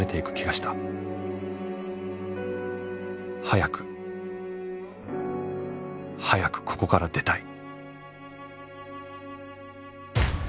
早く早くここから出たい